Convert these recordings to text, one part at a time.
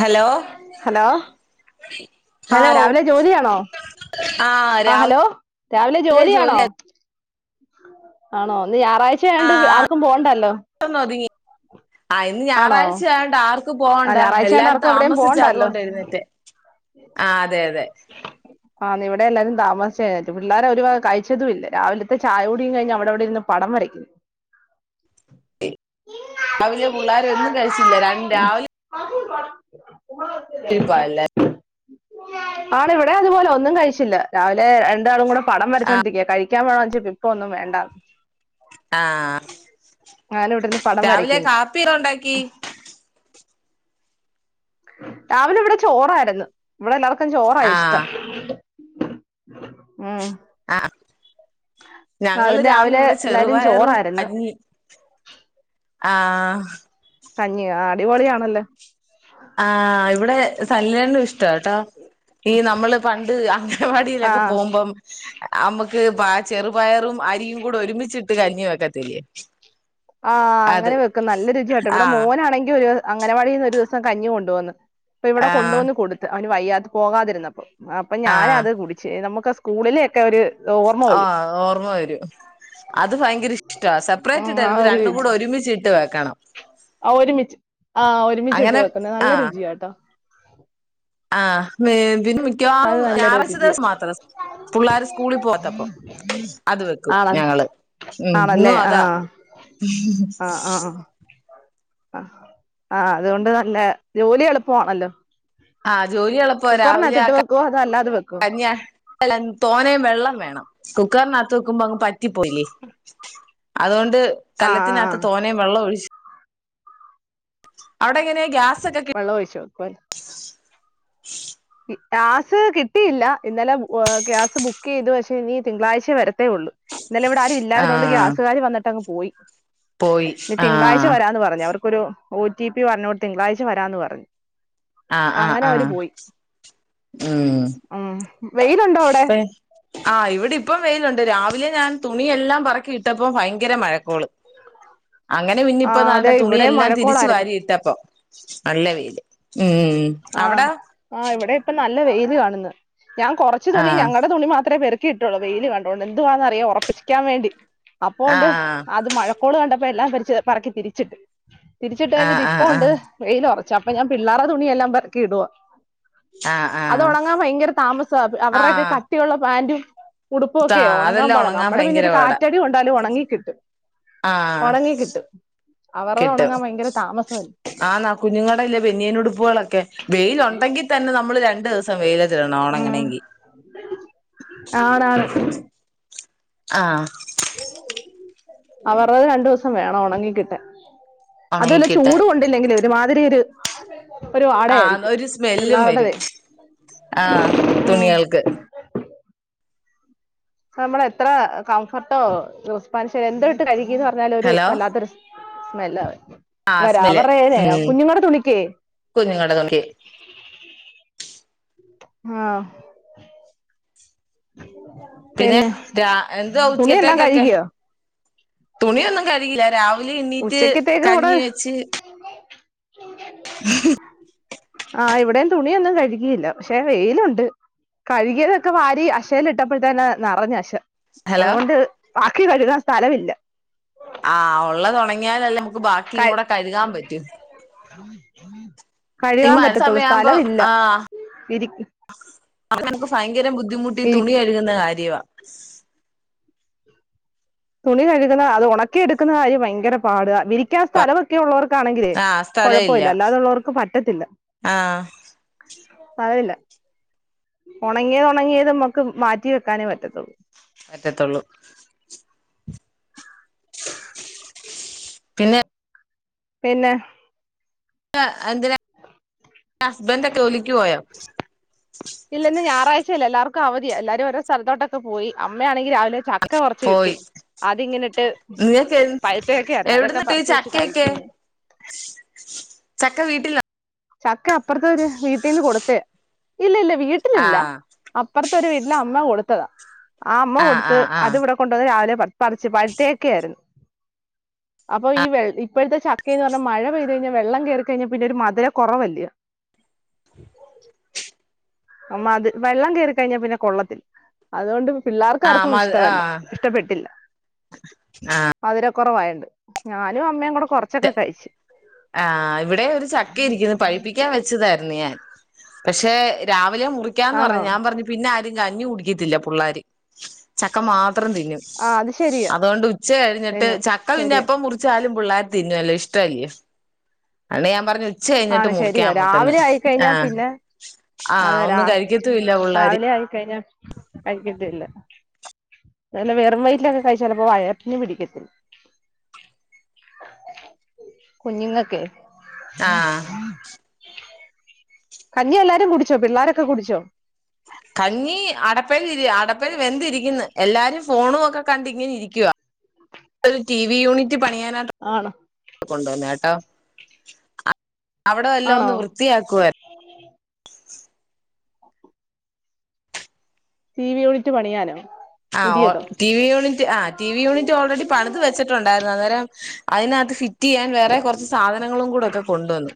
Hello hello ആ hello രാവിലെ ജോലി ആണോ ആഹ് ആ ഹലോ രാവിലെ രാവിലെ ജോലി ആണോ ആണോ ഇന്ന് ഞായറാഴ്ച ആയതുകൊണ്ട് ആർക്കും പോകണ്ടല്ലോ ആ ഇന്ന് ഞായറാഴ്ച ആയതുകൊണ്ട് ആർ - ആ പോവണ്ട ഞായറാഴ്ച ആയോണ്ട് എല്ലാവരും ആർക്കും എവിടെയും താമസിച്ചാണ് പോണ്ടല്ലോ അതുകൊണ്ട് എഴുന്നേറ്റെ അതെ അതെ താമസിച്ചാണ് എണീറ്റത് പിള്ളേര് ഒരു വകകഴിച്ചതൂ ഇല്ല രാവിലത്തെ ചായകുടിയും കഴിഞ്ഞ് അവിടെ അവിടെ ഇരുന്ന് പടം വരയ്ക്കുന്നു [unintelligible] അവര് പിള്ളേര് ഒന്നും കഴിച്ചില്ല രാവിലെ ഇരിപ്പാ എല്ലാരും ആണ് ഇവിടെ അതുപോലാണ് ഒന്നും കഴിച്ചില്ല രാവിലെ രണ്ടാളും കൂടെ പടം വരച്ചു ആഹ് കൊണ്ടിരിക്കാ കയ് [unintelligible] ഇപ്പൊന്നും വേണ്ടാ ആ അങ്ങനെ ഇവിടെ ഇരുന്ന് പടം രാവിലെ വരയ്ക്കുന്നു കാപ്പി [unintelligible] ഉണ്ടാക്കി രാവിലെ ഇവ്ടെ ചോറയിര്ന്ന് ഇവ്ടെ എല്ലാർക്ക് ക്കെ ചോറാ ഇഷ്ടം ആഹ് ഉം അ അ ആ ഞങ്ങള് രാവിലെ ഇവ്ടെ എല്ലാരും ചെറുപയറും ചോറായിരുന്നു കഞ്ഞി ആ കഞ്ഞിയൊ ആ ടിപൊളിയാണെല്ലൊ ആ ഇവ്ടെ [unintelligible] ഇഷ്ടാട്ടൊ ഈ നമ്മള് പണ്ട് അ അംഗവാടിലൊക്ക ആഹ് പോവുമ്പം അമ്മക്ക് പ ചെറുപയറും അരിയും കൂടെ ഒരുമിച്ചിട്ട് കഞ്ഞി വെക്കെത്തില്ലെ ആ അങ്ങനെ വെക്കും നല്ല രുചിയാട്ടൊ ഇവടെ ആഹ് മോനാണെങ്കി ഒര് അങ്ങനവാടിന്ന് ഒരുസം കഞ്ഞി കൊണ്ടൊന്ന് ഇപ്പ ഇവ്ടെ കൊണ്ട് ആഹ് വന്ന് കൊട്ത്ത് ഓന് വയ്യാത് പോകാതിര്ന്ന്പ്പ ആ അപ്പ ഞാന് അത് കുടിച്ച് എ നമ്മക്ക് കൂളില് ആ ഓർമ്മ വരും അത് ഭയങ്കര ഇഷ്‌ട സെപ്പറേറ്റ് ഉം ചെലത് രണ്ടുംകൂട ഒരുമിച്ചിട്ടെ കണം അ ഒരുമിച്ച് ആ ഒരുമിച്ചിട്ട് അങ്ങനെ വെക്കുന്ന നല്ല രുചിയട്ടൊ ആ [unintelligible] ഇതിന്റ [unintelligible] അത് മിക്കവാറും നല്ലൊരു ഞാറാഴ്ച രുചിയാ ദിവസം മാത്രം പുള്ളേര് സ്കൂൾ പോവാത്തപ്പം അത് വെക്കും ആണ ഞങ്ങള് മ് ഇന്നു ആണല്ലേ അതാ ആഹ് അ ആ അത് കൊണ്ട് നല്ല ജോലി എളുപ്പമാണല്ലൊ ആ ജോലി എള്പ്പ രാവിലെ ആ ക അതോ അല്ലാതെ വെക്കുവോ കഞ്ഞി അ തോനെ വെള്ളം വേണം കു ക്കറിനത്ത് വെക്കുമ്പ അങ്ങ് പറ്റിപോയില്ലെ അതൊണ് ഇത് ആഹ് കല്ലത്തിനത്ത് ആഹ് തോനെ വെള്ളൊഴിച്ച് അടൊങ്ങനെ ഗ്യാസ് വെള്ളം ഒഴിച്ചു [unintelligible] ഗ്യാസ് കിട്ടിയില്ല ഇന്നലെ ഗ്യാസ് ബുക്ക്ചെയ്തു പഷേ നി തിങ്കളാഴ്‌ച്ച വരത്തെ ഒള്ളൂ ഇന്നലെ ഇവ്ടെ ആരും ഇല്ലാര്ന്നകൊണ്ട് ആഹ് ഗ്യാസ് കാര് വന്നിട്ട് അങ്ങ് പോയി പോയി നി തിങ്കളാഴ്‌ച്ച ആഹ് വരാംന്ന് പറഞ് അവർ ക്കൊരു ഒ റ്റി പി പറഞ്ഞു തിങ്കളാഴ്‌ച്ച വരാംന്ന് പറഞ്ഞു ആ ആ അങ്ങനെ ആ അവര് പോയി ഉം വെയില് ഒണ്ടോ അവിടെ ആ ഇവ്ടെ ഇപ്പം വെയിൽ ഒണ്ട് രാവിലെ ഞാൻ തുണിയെല്ലാം പേറക്കി ഇട്ടപ്പോ ഭയങ്കര മഴക്കൊള് അങ്ങനെ പിന്നെ ആ ഇപ്പോ ദാണ്ട് അതെ ഇവിടെ തുണിയെല്ലാം തിരിച്ച് മഴക്കോളായിരുന്നു വാരി ഇട്ടപ്പം നല്ല വെയില് ഉം അവ്ടെ ല് കാണ്ന്ന് ഞാൻ കൊറച്ച് തുണി ഞങ്ങടെ തുണി മാത്രമേ പെ ക്കി ഇട്ടൊള്ളു വെയില് കണ്ടോണ്ട് എന്ത്വാ ന്നറിയാവോ ഒറപ്പിക്കാൻ വേണ്ടി അപ്പോണ്ട് ആഹ് അത് മഴക്കൊള് കണ്ട പ്പല്ലാം തിരിച്ച് പറ്ക്കി തിരിച്ചിട്ട് തിരിച്ചിട്ട് ആഹ് കഴിഞ്ഞിട്ട് ആഹ് ഇപ്പം ഒണ്ട് ആഹ് വെയില് ഒറ ചപ്പം ഞാൻ പിള്ളരെ തുണിഎല്ലാം ബെർക്കിയിടുവാ ആഹ് അത് ആഹ് ഓണങ്ങാൻ ഭയങ്കര താമസാ അവര്ടെ ഒക്കെ ആഹ് കട്ടിയൊള്ള പാന്റും ഉടുപ്പും ഒക്കെ ആ ഒണങ്ങാൻ അതെല്ലാം പാടാ ഉണങ്ങാൻ നമ്മടെ പിന്നെ ഭയങ്കര ഒരു പാടാ കാറ്റടി കൊണ്ടാലും ഒണങ്ങികിട്ടും ആഹ് ഓണങ്ങികിട്ടും അവര്ടെ കിട്ടും ഒണങ്ങാൻ ഭയങ്കര താമസ ക്കെ വെയിൽ ഒണ്ടങ്കിതന്നെ നമ്മള് ര ഉംഹ് ആണ് ആണ് ആഹ്ആ [unintelligible] അവര്ടെ രണ്ട് ദിസം വേണം ഒണങ്ങി കിട്ടാൻ അതും ഉണങ്ങി അല്ല കിട്ടാൻ ചുട് കൊണ്ടില്ലെങ്കില് ഒരു മാ ഇത്തിരി ഇര ആന്ന് ഒര് സ്മെല്ലും വരും ആഹ് ഉം തുണികൾക്ക്‌ നമ്മളെത്ര കംഫേർട്ടോ ക്രിസ്പ്പാൻ ഷൈൻ എന്തോ ഇട്ട് കഴുകിന്ന് റഞ്ഞാലും ഒരു ഹലോ വല്ലാത്ത ഒര് സ് മെല്ലവൻ ആഹ് സ്മെല്ല് വരാവറെനെ ഉം കുഞ്ഞുങ്ങടെ തുണിക്ക് ആഹ്ആ [unintelligible] പിന്നെ ന്തുവ തുണിയെല്ലാം ഉച്ചകത്തേക് ഏക് കഴുകിയോ ഉച്ചക്കത്തേക്ക് ഇവിടെ [inaudible] [unintelligible] [inaudible] ഹലോ അതുകൊണ്ട് ക്ക് കഴുകാൻ സ്ഥല ഇല്ല ആഹ്ആ ഒള്ളത് ഓണങ്ങിയലല്ലേ ക്ക് ബാക്കി കൂടെ കഴുകാൻ പറ്റു ഈ കഴുകാൻ മഴ പറ്റത്തുള്ളൂ സമയം ആകുമ്പ സ്ഥലമില്ല ഇരി ആഹ്ആ ഭയങ്കര ബുദ്ധ് ബുദ്ധിമുട്ട് ഈ ഇരി തുണി കഴുകിനേ കാര്യവ സ് തുണി കഴുകണം അതൊന്നാക്കി എടുക്കുനെ കാര്യവ പാട് വിരിക്കാൻ സ്ഥല ഒക്കെ ഒള്ളൊക്ക് താണെക്കിലെ ആഹ് സ്ഥലം ഇല്ല ആഹ് സ്ഥല ഇല്ലാ ഉണങ്ങിയത് ഉണങ്ങിയത് നമ്മക് മാറ്റി വെക്കാന് പറ്റു [inaudible] പിന്നെ പിന്നെ എന്തിന ഹസ്ബന്റ് ക്കെ ജോലിക് പോയോ അവതിയ എല്ലരും ഓരോ സ്ഥലത്തോട്ടൊക്കെ പോയി അമ്മയാണെങ്കിൽ രാവിലെ ചക്ക കുറച്ച് കിട്ടി പോയി അതിങ്ങനിട്ട് നിങ്ങൾക്ക് പഴുത്തയൊക്കെ ആയിരുന്നു അതൊക്കെ എവിടുന്നിട്ട് പറിച്ച് വെച്ച് ചക്കയൊക്കെ കഴിക്കുന്നു ചക്ക വീട്ടില ചക്ക അപ്പുറത്തെ ഒരു വീട്ടീന്ന് കൊടുത്തെയാ ഇല്ല ഇല്ല വീട്ടിലില്ല ആഹ് അപ്പുറത്തെ ഒരു വീട്ടില് അമ്മ കൊടു [unintelligible] ആ അമ്മ ആഹ് കൊടുത്ത് ആഹ് ആഹ് അതിവിടെ കൊണ്ട് വന്ന് രാവിലെ പ പറിച്ച് പഴുത്ത ചക്കയായിര്ന്ന് അപ്പോ ഈ വേ ഇപ്പഴത്തെ ചക്കെന്ന് പറഞ്ഞാ മഴ പെയ്ത് കഴിഞ്ഞാ വെള്ളം കേറിക്കഴിഞ്ഞാ പിന്നെ ഒരു മധുരം കൊറവല്ലെയോ [inaudible] ആ മധു വെള്ളം കേറി കഴിഞ്ഞാ പിന്നെ കൊള്ളത്തില്ല അതുകൊണ്ട് ആഹ് പിള്ളേർക്കാർക്കും മ ഇഷ്ടം അല്ല ആഹ് ഇഷ്ടപ്പെട്ടില്ല മധുരം കൊറവായൊണ്ട് ഞാനും അമ്മയും കൂടെ ത് കൊറച്ചൊക്കെ കഴിച്ചു ആ ഇവടെ ഒരു ചക്ക ഇരിക്കു പഴുപ്പിക്കാൻ വെച്ചതായിരു ന്നു ഞാൻ പക്ഷെ രാ രാവിലെ മുറിക്കാന്ന് ആണോ പറഞ്ഞു ഞാൻ പിന്നെ ആ കഞ്ഞി കുടിക്കത്തില്ല പുള്ളേര് ചക്ക മാ ത്രം തിന്നും ആ അത് ശരിയാ അതുകൊണ്ട് ഉച്ച കഴിഞ്ഞിട്ട് തിന്നു ചക്ക പിന്നെ ശരിയാ എപ്പോ മുറിച്ചാലും പിള്ളാ തിന്നല്ലോ ഇഷ്ടല്ലിയോ അതോണ്ടാ ഞാൻ പറഞ്ഞേ ഉച്ച കഴിഞ്ഞിട്ട് ആണ് മുറിക്കാ ശരിയാ നമുക്കെന്ന് രാവിലെ ആ ആയിക്കഴിഞ്ഞാ പിന്നെ ആഹ് അതെ രാ ഒന്നും കഴിക്കത്തൂല്ല പുള്ളേര് രാവിലെ ആയിക്കഴിഞ്ഞാ കഴിക്കത്തില്ല വെല്ല വെറും വയറ്റിലൊക്കെ കഴിച്ച ചിലപ്പോ വയറ്റിന് പിടിക്കത്തില്ല കുഞ്ഞുങ്ങൾക്കേ ഹം ആഹ് [unintelligible] ഉ കഞ്ഞി എല്ലാരും കുടിച്ചോ പിള്ളാരൊക്കെ കുടിച്ചോ കഞ്ഞി അടപ്പേല് അടപ്പേല് വെന്തിരിക്കുന്ന് എല്ലാവരും ഫോണും ഒക്കെ കണ്ട് ഇങ്ങനെ ഇരിക്കുവാ ഒരു ടി വി യൂണിറ്റ് പണിയാനായിട്ട് ആണോ കൊണ്ടുവന്നേ [unintelligible] അവിടെ എല്ലാം ആണോ ഒന്ന് വൃത്തിയാക്കുവായിരുന്നു ടിവി യൂണിറ്റ് പണിയാനോ ആ പുതിയതോ ടി വി യൂണിറ്റ് ആ ടി വി യൂണിറ്റ് ഓൾറെഡി പണിത് വെച്ചിട്ടുണ്ടായിരുന്നു അന്നേരം അതിനാത്ത് ഫിറ്റ് ചെയ്യാൻ വേറെ കൊറച്ച് സാധനങ്ങളും കൂടെ ഒക്കെ കൊണ്ടുവന്നു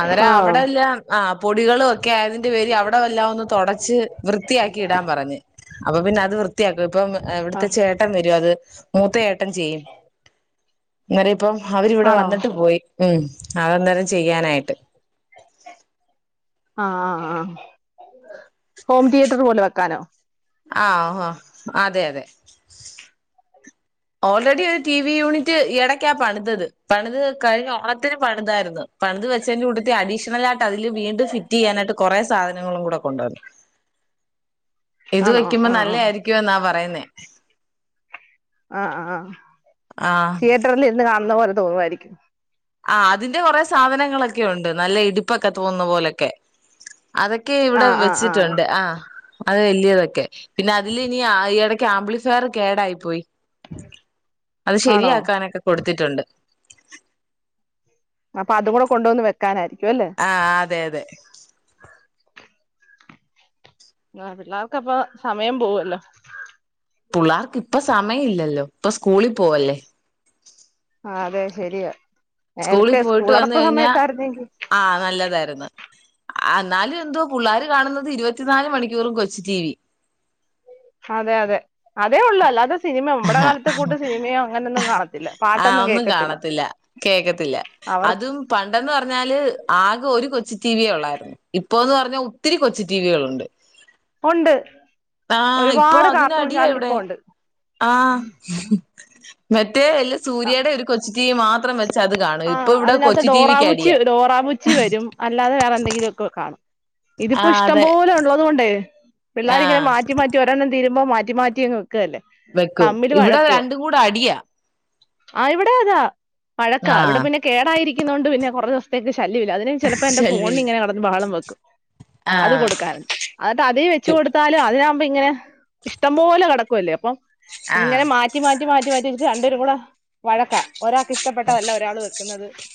അന്നേരം ആഹ് അവിടെല്ലാം ആ പൊടികള് ഒക്കെ അതിന്റെ പേര് അവിടെ എല്ലാം ഒന്ന് തൊടച്ച് വൃത്തിയാക്കി ഇടാൻ പറഞ്ഞ് അപ്പൊ പിന്നെ അത് വൃത്തിയാക്കും ഇപ്പം ഇവിടുത്തെ ആഹ് ചേട്ടൻ വരും അത് മൂത്ത ചേട്ടൻ ചെയ്യും [unintelligible] അപ്പോ അവരിവിടെ ആണോ വന്നിട്ട് പോയി ഉം അത് അന്നേരം ചെയ്യാനായിട്ട് ആ ആ ആ ഹോം തിയേറ്റർ പോലെ വെക്കാനോ ആഹ് ഹ അതെ അതെ [inaudible] ഓൾറെഡി ഒരു ടി വി യൂണിറ്റ് ഇടക്കാണ് പണിതത് പണിത് കഴിഞ്ഞ ഓണത്തിന് പണിതായിരുന്നു പണിത് വെച്ചതിന്റെ കൂട്ടത്തി അഡീഷണൽ ആയിട്ട് അതില് വീണ്ടും ഫിറ്റ് ചെയ്യാനായിട്ട് കുറെ സാധനങ്ങളും കൂടെ കൊണ്ടുവന്നു ഇത് ആണോ വയ്ക്കുമ്പോ ആഹ് നല്ല ആഹ് ആയിരിക്കുവന്നാ പറയുന്നേ ആഹ് ആഹ് ആ തീയറ്ററിൽ ഇരുന്ന് കാണും ന്ന പോലെ തോന്നുമായിരിക്കും ആ അതിന്റെ കുറെ സാധനങ്ങളൊക്കെ ഉണ്ട് നല്ല ഇടുപ്പൊക്കെ തോന്നുന്ന പോലൊക്കെ അതൊക്കെ ഇവിടെ ആഹ് ആഹ് ആഹ് വെച്ചിട്ടുണ്ട് ആ അത് വലിയതൊക്കെ പിന്നെ അതില ഇനി ഈ ഇടക്ക് ആംബ്ളിഫയർ കേടായി പോയി അത് ആണോ ശരിയാക്കാനൊക്കെ കൊടു ത്തിട്ടുണ്ട് അപ്പൊ അതും കൂടെ കൊണ്ടുവന്ന് വെക്കാനാര് ആഹ് അതെ അതെ ആഹ് പിള്ളാർക്ക് അപ്പ സമയം പോവല്ലോ പുള്ളാർക്ക് പ്പൊ സമയം ഇല്ലല്ലോ പ്പൊ സ്കൂളിൽ പോവല്ലേ. ആ അതെ ശെരിയാ. സ്കൂളിൽ പോയിട്ട് വന്ന് കഴിഞ്ഞാ ആഹ് നല്ലതായിരു ന്ന് ആഹ് ന്നാലും എന്തോ പുള്ളാര് കാണുന്നത് ഇരുപത്തിനാല് മണിക്കൂറും കൊച്ച് ടി വി അതെ അതെ അതേ ഉള്ളൂ അല്ലാതെ സിനിമ നമ്മടെ കാലത്തെ കൂട്ട് സിനിമയോ അങ്ങനെ ഒന്നും കാണത്തില്ല ആഹ് പാട്ടൊന്നും ഒന്നും കേക്കത്തില്ല കാണത്തില്ല. കേക്കത്തില്ല. അവർ അതും പണ്ടന്ന് പറഞ്ഞാല് ആകെ ഒരു കൊച്ച് ടി വി ഒള്ളായിരുന്നു ഇപ്പൊ എന്ന് പറഞ്ഞാൽ ഒത്തിരി കൊച്ചു ടിവികളുണ്ട്. ഒണ്ട്. ആഹ് ഇപ്പൊ അതിനടിയാ ഇവിടെ. ഉണ്ട് ആഹ് [unintelligible] റ്റേ അല്ല സൂര്യയുടെ ഒരു കൊച്ചു ടി മാത്രം വ ആ അതിനകത്ത് ഡോറാബുജി ഡോറാബുജി വരും അല്ലാതെ വേറെ എന്തെങ്കിലും ഒക്കെ കാണും ഇതിപ്പോ ആഹ് ഇഷ്ടം അതെ പോലെ ഉള്ളത് കൊണ്ടേ പിള്ളാരിങ്ങനെ ആഹ് മാറ്റി മാറ്റി ഒരെണ്ണം തീര ക്കുമ്പം മാറ്റി മാറ്റിയങ്വെ വെക്കും ഇവിടെ രണ്ടും കൂടെ അടിയാ ആഹ് ഇവിടെ അതാ പഴ ക്ക ഇവിടെ ആഹ് പിന്നെ കേടായിരി ക്കുന്നോണ്ട് പിന്നെ കുറേ ദിവസത്തേക്ക് ശല്യവില്ല അതിന് ചെലപ്പോ എന്റെ ഫോൺ ശല്യം ഇങ്ങനെ കിടന്ന് ബഹളം വെക്കും അത് ആഹ് കൊടുക്കാൻ എന്നിട്ട് അത് വെച്ച് കൊടുത്താല് അതു മ്പോ ഇങ്ങനെ ഇഷ്ടം പോലെ കട ക്കല്ലേ അപ്പം ഇങ്ങനെ ആഹ് മാറ്റി മാറ്റി മാറ്റി മാറ്റി- രണ്ടെരും കൂടെ വഴക്കാ ഒരാക്ക് ഇഷ്ടപ്പെ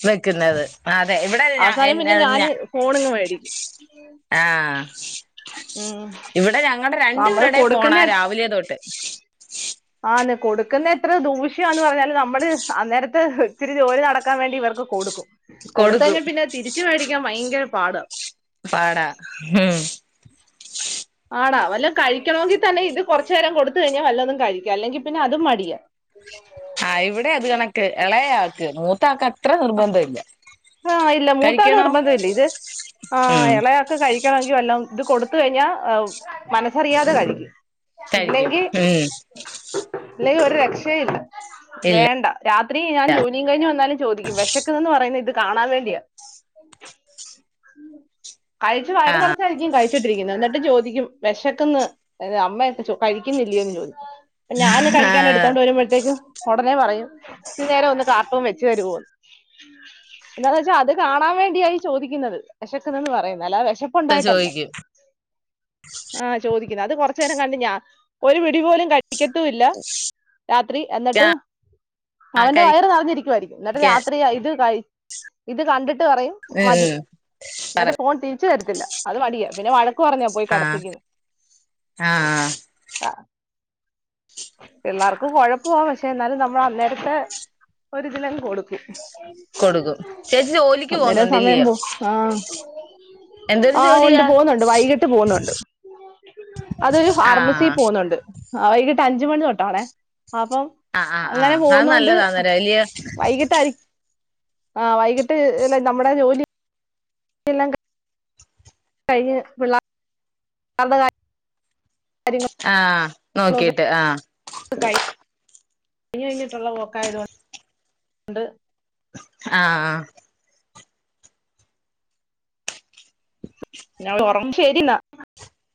വെക്കുന്നത് അതെ ഇവിടെ ഞ അവസാനം ന്റെ പിന്നെ ഞ ഞാന് ഫോണിങ് മേടിക്കും ആ ഉം ഇവിടെ ഞങ്ങളുടെ നമ്മള് രണ്ടുപേരുടെയും കൊടുക്കുന്ന ഫോണാ രാവിലെ തൊട്ട് ആന്ന് കൊടുക്കുന്ന എത്ര ദൂഷ്യയാന്നു പറഞ്ഞാലും നമ്മള് അന്നേരത്തെ ഇത്തിരി ജോലി നടക്കാൻ വേണ്ടി ഇവർക്ക് കൊടുക്കും കൊടുക്കും കൊടുത്ത്കഴിഞ്ഞാ പിന്നെ തിരിച്ച് മേടിക്കാൻ ഭയങ്കര പാട് പാടാ ഉം ആടാ വല്ല കഴിക്കണമെങ്കിൽ തന്നെ ഇത് കൊറച്ച് നേരം കൊടുത്തു കഴിഞ്ഞാൽ വല്ലതും കഴിക്ക അല്ലെങ്കിൽ പിന്നെ അതും മടിയാ ആ ഇവിടെ അത് കണക്ക് ഇളയാൾക്ക് മൂ മൂത്താക്ക് അ അത്ര നിർബന്ധം ഇല്ല ആ ഇല്ല മൂത്താൾക്ക് കഴിക്കണോ നിർബന്ധമില്ല ഇത് ആ ഉം എളെയാൾക്ക് കഴി ക്കണമെങ്കിൽ വല്ലോം ഇത് കൊടുത്ത് കഴിഞ്ഞാ മനസ്സറിയാതെ കഴിക്കും കഴിക്കും ഇല്ലെങ്കിൽ ഉം ഇല്ലെങ്കി ഒ ഒരു രക്ഷയുമില്ല ഇല്ല വേണ്ട രാത്രി ഞാൻ ജോലിയും കഴിഞ്ഞു വന്നാലും ചോദിക്കും വെശക്കുന്നന്ന് പറയുന്നത് ഇ കാണാൻ വേണ്ടിയാ കഴിച്ച് വയറ് നെറച്ചായിരിക്കും കഴി ച്ചിട്ട് ഇരിക്കുന്നത് ന്നട്ട് ചോദിക്കും വെശക്ക്ന്ന് അമ്മയൊക്കെ ചോ കഴിക്കുന്നില്ലയോന്ന് ചോദിക്കും ഞാന് കഴിക്കാൻ ആഹ് എടുത്തോണ്ട് വരുമ്പോഴത്തേക്കും തൊട അന്നേ പറയും ഇച്ചിരി നേരം ഒന്ന് കാർട്ടൂൺവെച്ച് തരുമോന്ന് എന്താന്ന് വെച്ചാൽ അത് കാണാൻ വേണ്ടിയായി ചോദിക്കുന്നത് വെ ശക്കന്ന്ന്ന് പറയുന്നത് അല്ലാതെ വെ ശപ്പ് ഒണ്ടായിട്ടല്ല ചോദിക്കും ആ ചോദി അത് കൊറച്ച് നേരം കണ്ട് ഞാ ഒരു പിടി പോലും ക കഴിക്കത്തുമില്ല രാത്രി അന്നിട്ട് ആഹ് അവന്റെ വയറ് നിറഞ്ഞിരിക്കുവായിരിക്കും എന്നിട്ട് കഴിക്കാൻ രാത്രി ഇത് കഴി ഇത് കണ്ടിട്ട് പറയും മതി ഉം പറ എന്നിട്ട് ഫോൺ തി തിരിച്ച് തരത്തില്ല അത് മടിയ പിന്നെ വഴ വഴക്ക് പറഞ്ഞാ പോയി കെ ആഹ് ടത്തിക്കുന്നെ ആഹ് ആ പിള്ളാർക്ക് കൊഴപ്പവാ പക്ഷെ എന്നാലും നമ്മള് അന്നേരത്തെ ഒരു ഇതിൽ അങ്ങ് കൊടുക്കും കൊടുക്കും ചേച്ചി ജോലിക്ക് പോന്നുണ്ടില്ലയോ ആ ഉണ്ട് പോന്നുണ്ട് വൈകിട്ട് പോന്നുണ്ട് അതൊരു ഫാർമസിയിൽ ആഹ് പോന്നുണ്ട് ആ വൈകീട്ടഞ്ച് മണി തൊട്ടാണെ അപം ആഹ് ആഹ് അങ്ങനെ ആഹ് അത് പോവുന്നോണ്ട് നല്ലതാന്നേരം ഇല്ലയോ വൈകീട്ടായിരി ആ വൈകീട്ട് ഏല്ലാ നമ്മടെ ജോലിയെല്ലാം കയിഞ് കയിഞ് പിള്ളാര്ടെ കാര് ആ നോകീട്ട് ആ കയ്ഞ്ട്ട്ള്ള പോക്കായത് കൊണ്ട് ആ [unintelligible]